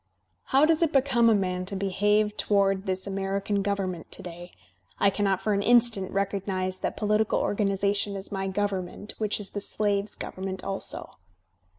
"How does it become a man to behave toward this American government to day? I cannot for an instant recognize that political organization as my government which is the slave's govern ment also."